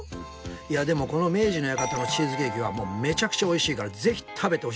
いやあでもこの明治の館のチーズケーキはもうめちゃくちゃ美味しいからぜひ食べてほしいです！